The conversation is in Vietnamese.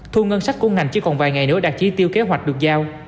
thu ngân sách của ngành chỉ còn vài ngày nữa đạt chỉ tiêu kế hoạch được giao